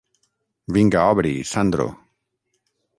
Vinga obri, Sandro...